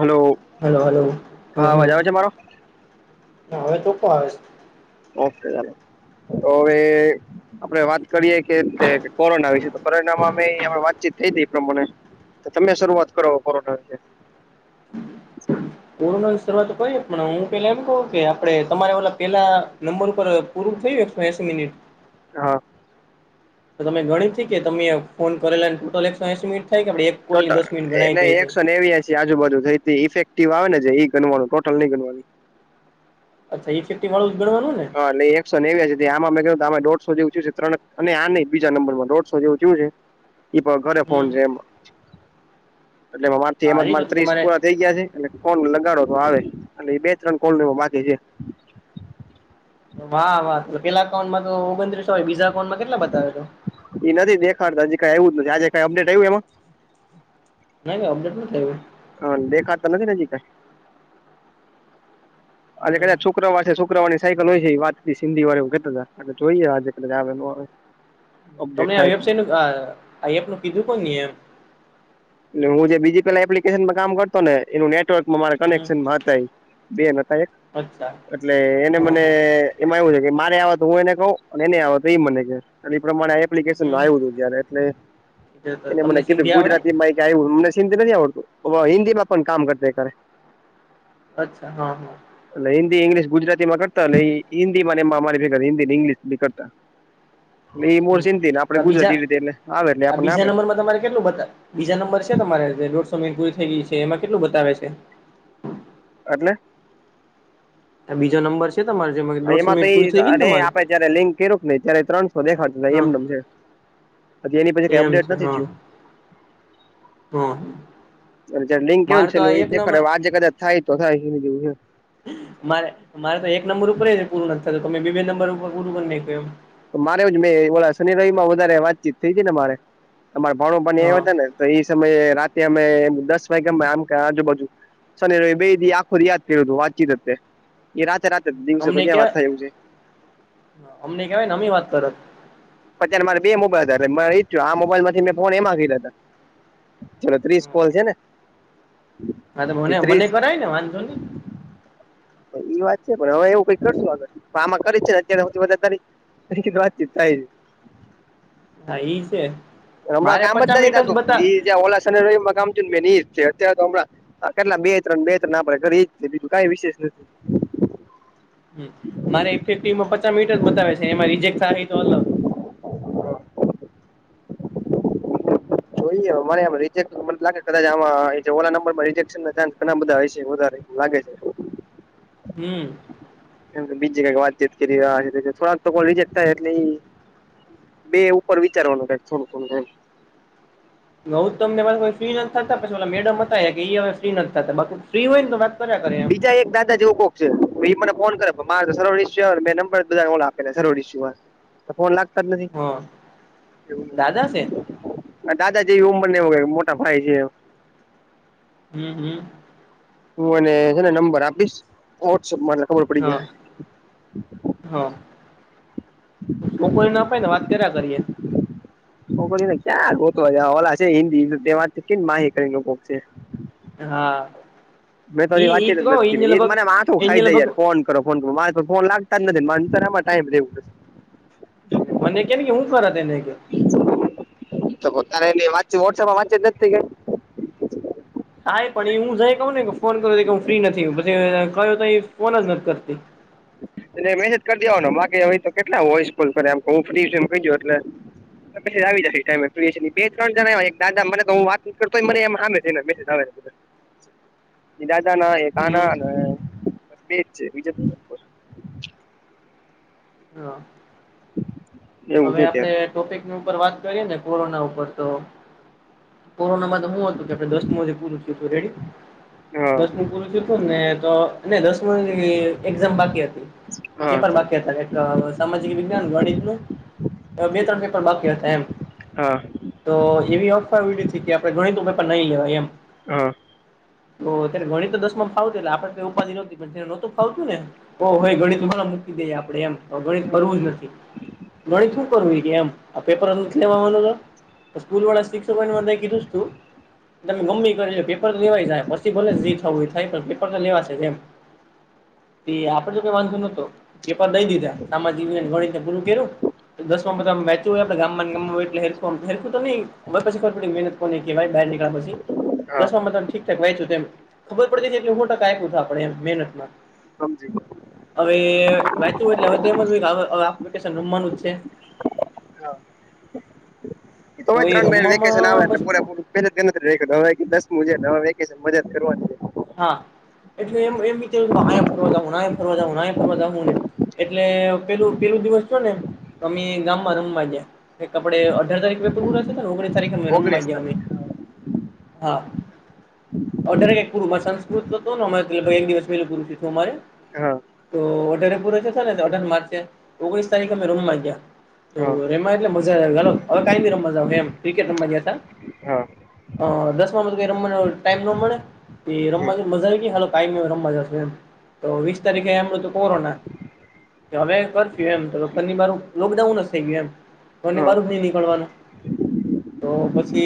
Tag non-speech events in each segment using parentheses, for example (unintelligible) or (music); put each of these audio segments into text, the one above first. Hello hello hello હમ હા અવાજ આવે છે મારો હમ હવે તો કો આવે. અવે. આપડે વાત કરીએે કે કોરોના વિશે છે તો કોરોના માં અમે વાતચીત થઈ હતી એ પ્રમાણે. તો તમે શરૂઆત કરો કોરોના વિશે. કોરોનાની શરૂઆતઈ પણ હું પેલા એ કઉ કે આપડે તમારે ઓલા પેલા નંબર ઉપર. પૂરું થયું એકસો એંસી મિનિટ. હા તો તમે ગણી કે તમે ફોન કરેલાને ટોટલ એકસો એસી મિનિટ થાય કોલ ની ટોટલ દસ મિનિટ ગણાય એને જાય છે. એકસો નેવી હ આજુબાજુ થઈ ઇફેક્ટિવ આવે ને જે એઈ ગણવાનું ટોટલ નઈ ગણવાની અચ્છા ઇફેક્ટિવ વાળુ જ ગણવાનું ને હ એટલે એકસો નેવ્યા છે આમાં કવું આમે દોઢસો જેવુંચ્યું છે તણ અને આ નં બીજા નંબર દોઢસો જેવુંચ્યું છે એ ઘરે ફોન હમ છે એમાં એટલે અમાર થી એમાં હારી તો મારે ત્રીસ તમારે પૂરા થઈ ગયા છે એટલે ફોન લગાડો તો આવે એટલે એ બે ત્રણ ફોન બાકી છે વાહ વાહ તો પેલા એકાઉન્ટ તો ઓગત્રીસો હોય બીજા એકાઉન્ટ કેટલા બતાવે તો એ નથી દેખાડતા હજી કઈ આવ્યું જ નથી આજે કઈ અપડેટ આવ્યું એમાં ના ના અપડેટ નથ આવ્યું હ દેખાતા નથી હજી કાય આજે નઈ કદાચ શુક્રવાર છે શુક્રવારની સાયકલ હોય છે એ વાત સિંધી વાળ કેતા તા કે જોઈએ આજે કદાચ આવે અપડેટ તમે આ થાય કે વેબસાઇટ નુ આ એપ નું કીધું કોણ એમ લે હુ જે બીજી પેલા એપ્લિકેશનમાં કામ કરતો ને એનું નેટ નેટવર્કમાં મારા હમ કનેક્શન મા હતા બે ન હતા એક અચ્છા એટલે એને હા મને હા એમાં એવું છે કે મારે આવે તો હું એને કહું એ ને આવા તો એ મને કે એ એ પ્રમાણે એપ્લિકેશન હમ આવ્યું હતું જ્યારે એટલે એ તમને મને કીધું સિંધી આવડે ગુજરાત મને સિંધી નથી આવડતું હિન્દીમાં પણ કામ કરતા ખરે અચ્છા હા એટલે હિન્દી ઇંગ્લિશ ગુજરાતી માં કરતા એ હિન્દી એ મારી હિન્દી ઇંગ્લિશ બી કરતા એ મોર હમ સિંધી ને આ આપડે બીજા ગુજરાતી રીતે એટલે આવે એટલે આ આપણને બીજા આપે તમારે કેટલું બતા બીજા નંબર છે તમારે જે દોઢસો મિનિટ પુરી થઈ ગયું છે એમાં કેટલું બતાવે છે એટલે બીજો નંબર છે છે તમારે જેમ એમાં તો એ આપડે જયારે લિંક કર્યું કે નહીઈ ત્યારે ત્રણસો દેખાડું હા એમનેમ છે હજી એની પેલી કઈ એમ અપડેટ છે નથી હા થયું હા એટલે લિંક કેવ મારે તો આ છેલું એે એક નંબર દેખાડે આજે કદાચ થાય તો થાય એવું છે મારે મારે તો એક નંબર ઉપર પૂરું નથી થું તમે બીજે નંબર ઉપર પૂરું કર નાખ્યું એમ તો મારેવજ મેં ઓ શનિ રવિ માં વધારે વાતચીત થઈ હતી ને મારે અમારે ભાણો ભાણી હા આવ્યા હતા ને તો એ સમયે રાતે અમે દસ વાગે આમ આજુબાજુ શની રવી બે થી આખો વાત કર્યું હતું વાતચીત એ રાતે રાતે દિવસે તો અમને ક્યાં વાત કેવા થાયું છે અમને કેવાય ને અમે વાત કરત અત્યારે મારે બે મોબાઈલ હતા મારે ઈચ્છું આ મોબાઈલમાં મેં ફોન એમાં કીધા હતા ચલો ત્રીસ કોલ છે ને હા તો મને મને ત્રીસ કરાય ને વાંધો નહી ઈ વાત છે પણ હવે એવું કઈક કરશું આગળ આમાં કરી છે ને અત્યારે હોથી વધારે તારી વાતચીત થાય છે. હા એ છે હમણાં મારે કામ જ પચાસ નથી મિનિટ થતું બતા જ્યાં ઓલા શનિ રવિ કામ થયું એજ છે હમણા હ, કેટલા બે-ત્રણ, બે-ત્રણ આપડે કરી જ બીજું કઈ વિશેષ નથી. મારે ઇફેક્ટિવ મા પચાસ મિનિટ બતાવે છે, એમાં રિજેક્ટ થાય, તો અલગ જોઈ જે લાગે, કદાચ આ ઓ નંબર માં રજેશન ચાન્સ ઘણા બધા હશે, વધારે લાગે છે. હમ. એમ તો બીજી કઈક વાતચીત કરી રહ્યા છે, થોડાક તો રિજેક્ટ થાય એટલે. બે ઉપર વિચારવાનું થાય, થોડું તેમ. હઉ તો તમને ફ્રી નથી થતા, પછી ઓ મેડમ હતા કે, હવે ફ્રી નથી થતા, બા ફ્રી હોય ને તો વાત. કર્યા કરે એમ બીજા એક દાદા જેવું કો એ મને ફોન કરે, મારે સવ શય મેં નંબર બધા કોલ આપે સ શય તો ફોન લાગ. (unintelligible) નથી હા દાદા છે એવુ દા જે એ ઉંમર ને મોટા ભાઈ છે. હમ્મ, હમ્મ. હું અને છે ને, નંબર આપીશ, વોટ્સઅપમા. હા, હા. લોકોઈને અપાય ને, વાત કર્યા કરીએ. (unintelligible) ને ક્યાં ગોતો ઓલા છે, હિન્દી તેમાંથી કે માહિતી કરી છે. હા. મેં તો હ ઈ ઈ વાચી ર કઉ નક્કી, ઈ એ જ લગભગ મને માથું એને ખાઈ લગભગ જર કોણ (unintelligible) કરો ફોન કરે, મારે પણ ફોન લાગતા જ નથી, મારે એમાં ટાઈમ લેવું પડશે. મને કેને કે, હુ ખરા તને કે? તો તારે એ વાંચી વોટ્સએપમાં વાંચે જ ગઈ. હા, પણ એ હું જઈ કહું ને, ફોન કરે હું, ફ્રી નથી પ કહયો તો, ફોન જ નથી કરતી. એટલે મેસેજ કરી દેવાને-માગવે તો, કેટલા વોઇસ કોલ કરે, ફ્રી એમ કહી એટલે. મેસેજ આવી જશે, ટાઈમે ફ બે-ત્રણ જણ આવ્યા છે, દા મને તો હુ વાત નથી કરતો હોય, ને સામે છેને, મેસેજ આવે. એ દાદા ના એ કાના હમ અને બેજ છે, બજે હા. એવું હવે છે આપડે ત્યારે ટોપિકની ઉપર વાત કરીએ, ને કોરોના ઉપર તો કોરોનામાં તો હુ હતુ, કે આપે દસમે પૂરું થયું હતું, રેડી. હા દસમું પૂરું થું હતુ ને, તો ને દસમ એક્ઝામ બાકી હતી. હા પેપર બાકી હતાલા એક સામાજિક વિજ્ઞાન, ગણિતનુ બે-ત્રણ પેપર બાકી હતા, એમ. હા. તો એવી ઓફર એડી કે, આપડે ગણિતું પેપર નઈ લેવાય એમ. હા. તો અત્યારે ગણી તો દસ માં ફાવતું, એટલે આપડે કઈ ઉપાધિ નહતી, પણને નોતું ફાવતું ને. ઓ હોય, ગણિત મને મૂકી દેએ, આપડે એમ તો ગણિત કરવું જ નથી. ગણી શું કરું કે, એમ આ પેપર નથી લેવાનો. સ્કૂલ વડા સ્તસોમાં કીધું તુ. તમે ગમી કરી લ લો પેપર તો લેવાય જાય, પીલે જી થવું એ થાય, પેપર તો લેવાશે, એમ. તે આપડે જો કઈ વાંધ નતો, પેપર દઈ દીધુ. સામાજિક ગણિતને પૂરું કર્યું, દસ માં બધા મે. યડે ગામ ગ હોય એલે હેર હેર ન હોય, પછ ખ પ મહેનત (unintelligible) કો કહેવાય, બાર નીકળ્યા પછી, હા દસમાં તમે ઠીકઠક વાય તેમ. ખબર પડે છે કે, મોટા કંઈક થઈ, આપણે એમ મહેનતમાં. હા, જી. હવે વાચું, એટલે હવે કેશ રમવાનું છે. હ, તોય તો એ ત્રણ મહિને વેકેશન રમવામાં આવેને, બસ પૂરેપૂરા. પેલે નથીવે દસમ ન વેકેશન મ કરવાની (unintelligible) હા એટલે એમ એમ વિચ્યું આયા ફરવા જહુ ને આયા ફરવા જહુ ને આયા ફરવા જહુ ને એટલે પેલું પેલું દિવસ છ ને અમે ગામમાં રમવા ગ્યા એક આપડે અઢાર તારીખ પેપર પૂરાશે ને ઓગ - તરીકે રમવા ઓગણીસ ગ્યા હોયે તારીખે હા અઠારે (unintelligible) હા તો અઠારે પુરે થતા ને અઢાર માર્ચ ઓગણીસ તારીખે અમે રોમવા ગયા. તો હા રેમા એટલે મજા હ કઈ રમવામ ક્રિકેટ રમવા ગયા હતા. હા અ દસ માંધું ઈ રમવા નો ટાઈમ ન મળે એ હમ રમવા જ મજા આવી ગાલો કાયમ રમવા જશ એમ તો વીસ તારીખે એમ હતુ કોરોના હવે કરફ્યુ એમ તો ઘરની બર લોકડાઉન જ થઈ ગયું એમ ઘર ની હા બહાર જ નહી નીકળવાનું તો પછી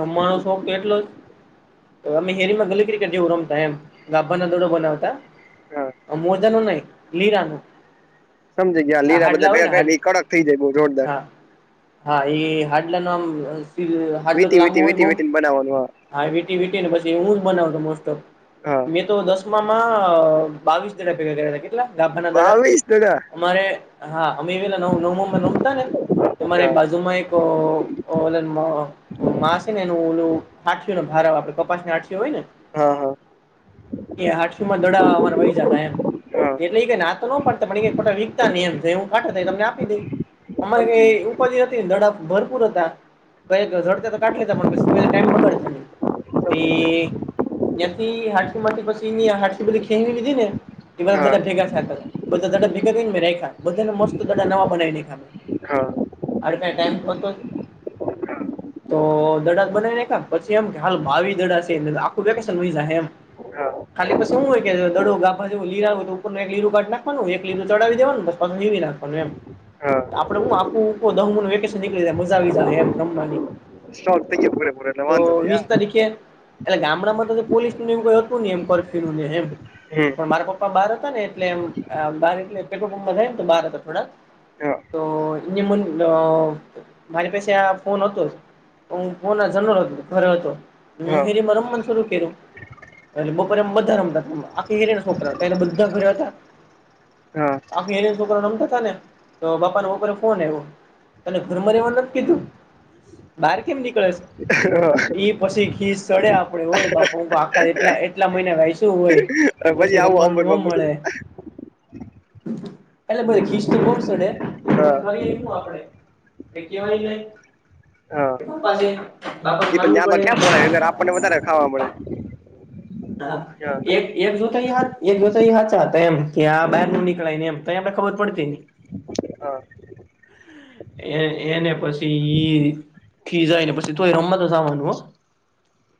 રમવાનો શોખ તો એટલો જ અમે હેરીમાં ગલી ક્રિકેટ કેવ રમતા એમ (unintelligible) ના દોડો બનાવતા હા. મોજાનું નહી લીરાનું સમજજી ગયા લીલા બધા ભેગા કરિયે હાડ ને ઈ કડક થઈ જાય જોરદાર હા હા એ હાડલા ન આમ હાડલો વીતી લાંબો વીતી હોય વી બઉ વીતી બનાવવાનું હા વીટી વીટી ને પછી એ હું જ બનાવતો મોસ્ટ ઓફ હા મેં તો દસ મા બાવીસ દડા ભેગા કર્યા હતા કેટલા ગાભાના દડા બાવીસ ટકા અમારે હા અમે એ પલા નવ નવું માં રમતા ને અરે બાજુમાં એક ઓ માસે ને એનું ઓલું આઠને ભાર આપડે કપાસને આઠયો હોય ને હા હા એ હાટસુ માં દડા અમાર વહી જતા એમ હા એટલે એઈ નાતો (unintelligible) હું કાટો થઈ તને આપી દઈ હા અમારે સમજી કઈ ઉપાધિ હતી ને ધડા ભરપૂર હતા (unintelligible) પણ પ ટાઈમ બગડતા ન ગયો સમજી ત્યાં થી હ (unintelligible) ગયો હા (unintelligible) મસ્ત બધા નવા બનાય રાયખા (unintelligible) અડ કઈ ટાઈમ થતો તો દડા બનાવી ને પછી એમ કે હાલ બ દડા છે આખું (unintelligible) હા ખાલી પી શું હોય કે જે દડો ગા જેું લીરા હોય તો ઉપરનું એક લીરુ કાઠી નાખવાનું એક લીરુ ચાવ દવાનું પછ લીવી નાખ હા આપડે હૂ આખુ વેકેશન નીકળી મજા આવી એમ રમવાની (unintelligible) પુરે પૂરે લ વાંધોલ્યા નહીં આવે એ ગામડામાં તો પોલીસ ન હતું એમ કર્યુું એમ પણ હમ મારા પ્પા બહાર હતા ને એટલે એમ બાર એટલેે થાયને તો બાર હતા થોડા હા તો એને મ મારી પાસે આ ફોન હતો જ કોના જનોર હતો ઘરે હતો હું હા હેરીમાં રમમન શરુ કરું અ બપોરે એમ બધા રમતા આખે હેરેને છોકરા ત્યારે બધા ઘરે હતા હા આખી એને છોકરા નમતા થ ને તો બાપા ના બપરે ફોન આવ્યો તને ઘરમાં રેવા નથ કીધું બહાર કેમ નીકળે છે હા ઈ પછી ઘી સડે આપડે હોય બાપા હ આખા એટલા એટલા મહિના હાયસુ હોય ને પછી રમવાનું ન મળે એટલે બ ખિસ્ તો બો સડે હા કરીયે હૂ આપડે કંઈક કવાય જાય હા બાપા છે બાપા માનવું પડે આપને વધારે ખાવા મળે હા એક એક જોતાઈ હાથ, એક જોતાઈ હાથ, સાતેમ કે આ બાહેર ન નીકળાય ને એમ, ત્યા આપડે ખબર પડતી. હા એ એને પછી ઈ ખીજાયને પછી, તો એ રમવા તો જવાનું હો.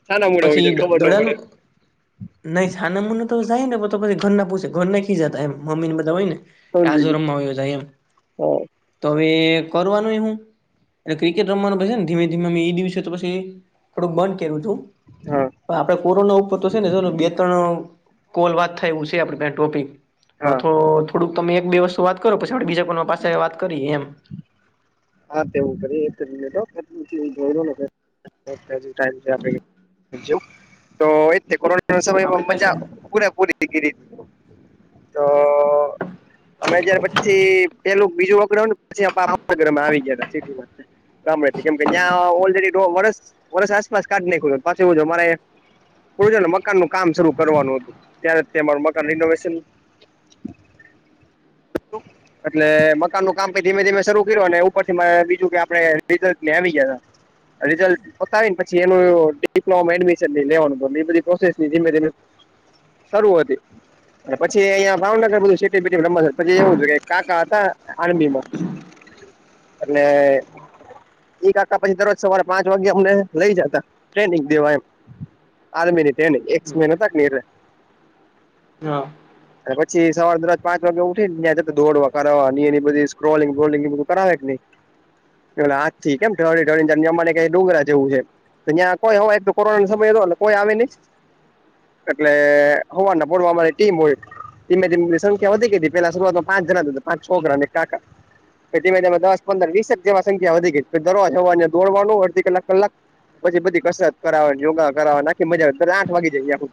સાના મૂડ હોવી પછી જોઈએ ખબર ન પડે દડયાનું નઈ સાના મુનો તો જાયને, પછી ઘરના પૂછે, ઘરના ખીજાતા એમ મમ્મી ને બધા હોય ને. સમજી આજો રમમાં વયો જાય એમ, ગયો તો હવે કરવા નુંએ હું? એતે ક્રિકેટ રમવાનું પછી ધીમે ધીમે મે એ દિવસે તો પછી થોડુંક બંધ કર્યું તું. હા પણ આપડે કોરોના ઉપર તો છે ને, બે ત્રણ કોલ વાત થાય એવુ છે આપડી પાસે ટોપિક. અ હા થો થોડુંક તમે એક બે વસ્તુ વાત કરો, પછી આપડે બીજા કોના પાસે વાત કરીએ એમ. હા તેવું કરીએ, એકજ મિનિટ હા, (unintelligible) (unintelligible) જેવું તો એક થે કરોઈ સમયમાં આપણી પાસે મજા, પૂરેપૂરી ટીગરી તો, અમે જારે પછી પેલું બીજું વગરાઉ પછી ભાવનગરમાં આવી ગયા થા સિટીમાં, ગામ મેથી કેમ કે ન્યા ઓલરેડી તો વર્સ, વર્ષ આસપાસ કાઢ નાંખ્યુંતુ, પાછું ઓ જો મારે પૂર્યો ને મકાન નું કામ શરૂ કરવાનું હતું, ત્યારે તે મારું મકાન રિનોવેશન એટલે મકાનનું કામ પછી ધીમે ધીમે શરૂ કર્યું, અને ઉ ઉપર થી મે બીજું કે આપડે, રિઝલ્ટ મે આવી ગયા તા. રિઝલ્ટ બતાવીને પછી એનું ડિપ્લોમ એડમિશન લેવાનું, એ બધી પ્રોસેસ બી ધીમે ધીમે શરૂ હતી. ને પછી એ અહિયાં ભાવનગર બધું સેટી બેટી રમવા, પછી એવું હતું કે કાકા હતા આર્મી મા અને એ કાકા પછી દરરોજ સવારે પાંચ વાગે અમને લઈ જતા, ટ્રેનિંગ દેવા એમ. આર્મી ની ટ્રેનિંગ, એક્સ મેન હતા કે નહીં એટલે હા અને પછી સવારે દરરોઝ પાંચ વાગે ઉઠીન ન્યા ની હાથે તો દોડવા કરાવા, ની એ બધી સ્ક્રોલિંગ બોલિંગ એ બધું કરાવે કે નહી, ને ઓલા હાક થી કેમ ઢળ ઢળીને કન્યા મળે એ ડુંગરા જેવું છે. તો ત્યાં કોઈ, તો કોરોના સમય કોઈ આવે નહી? એટલે હવારના પોર મા અમારી ટીમ હોય. ધીમે ધીમેની સંખ્યા વધી ગઈ હતી, પેલા શરૂઆતમાં પાચ જણાજ હતા, પાંચ છોકરા અને એક કાકા. પછી ધીમે ધીમે દસ, પંદર, વીસેક જેવા સંખ્યા વધી ગઈ, પછી દરરોઝ હારના દોડવાનું, અડધી કલાક, કલાક પછી બધી કસરત કરવાની, યોગા કરાવવા, નાખી મજા આવે, આઠ વાગે જાય આખું.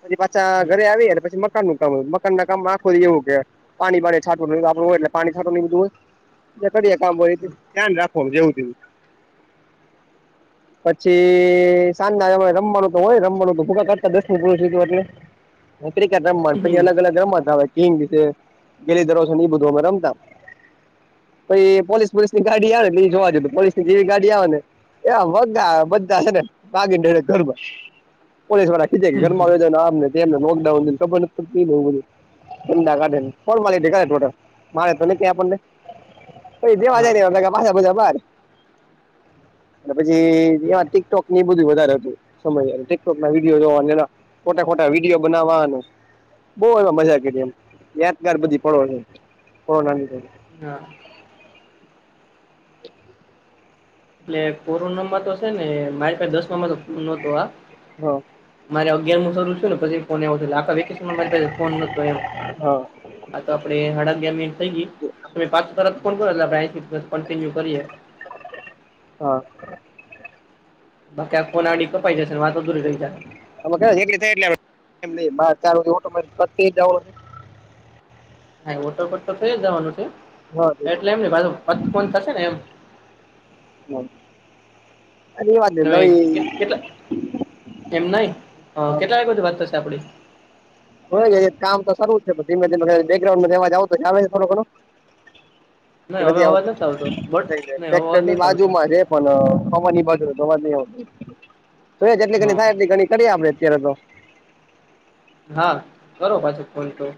પછી પાછા ઘરે હમ આવીએ ને પછી મકાનનું કામ હોય, મકાનના કામ માં આખો દિવ ઉગે પાણી પડે છાટું આપડું હોય, એટલે પાણી છાંટોને એ બધું હોય, તે કરીએ કામ હોય, ધ્યાન રાખવાનું જેવું થયું. (inaudible) પછી સાંજના આમારે રમવાનું તો હોય, રમવાનું તો ભૂગા કરતા દસ નુ પુરુષ જીતું એટલે ક્રિકટ રમવાનું, પછી અલગ હમ અલગ રમત આવે, કિંગ છે, ગેલી દરોસો ને એ બધુ અમે રમતા. પછી, પોલીસ પોલીસ ની ગાડી આવે ને, એટલે એ જોવા જતા, પોલીસ ની જેવી ગાડી આવે ને એ વગા બધા છે ને ભાગીને ગરબા પોલીસ વાળા ી જાય કે ઘરમાં હમ આવે જાય આમ ને કે લોકડાઉન ને ખબર નથી પડતી એવું બધું, ન (unintelligible) જનકે આપને, એ જેવા હા જાય કે પાછા બધા બાર. અને પછી એ ટીકટોક ને એ બઘુ વધારે હતું, સમજ ટીકટોક ના વિડીયોને એ (unintelligible) ખોટા ખોટા વિડીયો બનાવાનું, બહુ એમા મજા કીધી એમ, યાદગાર બધી ફળો છે. હો નાની હા (inaudible) એટલે કોરોના માં તો છે ને, મારી પાસે દસમામાં તો કોણ નતો આ હા મારે અગિયારમું શરુ થયું પછી ફોન આવ્યો આખા વેકેશનમાં મારી પાસે ફોન નતો એમ હા આ તો આપડે હાડા અગિયાર મિનિટ થઈ ગઈ તમે પાછું તરત ફોન કરો એટલે આપણે આયથી કન્ટિન્યુ કરીએ હા બાકી આ ફોન આડી કપાઈ જશે વાત અધૂરી રહી જશે. (unintelligible) હા ઓટોટ તો થઈ જ જવાનું છે હા તે એટલે પ્રમાણે એમને પાછ ફોન થશે ને એમ. (unintelligible) અ રેવાદે ને નવી કેટલા એમ નઈ અ હા કેટલા વાગ્યા સુધી વાત થશે આપડી? કામ તો કરૂ છે પણ ધીમે ધીમે બેકગ્રાઉન્ડમાં થી અવાજ તો ચલે છે થોડો ઘણો? નહી હવે નથી અવાજ આવતો બટ નહી હવે અવાજ ટ્રેક્ટરની નથી આવતો બાજુમાં. પણ પવન એ બાજુનો એટલી અવાજ નહિ આવશે હ ઘણી થાય એટલી ઘણી કરીએ આપડે અત્યારે તો હા કરો પાછો ફોન તો